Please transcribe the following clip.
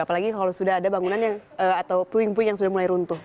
apalagi kalau sudah ada bangunan atau puing puing yang sudah mulai runtuh